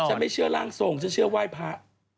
ไม่เชื่อร่างทรงฉันเชื่อไหว้พระ